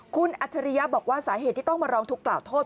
คุณอัจฉริยะบอกว่าสาเหตุที่ต้องมาร้องทุกข์กล่าวโทษ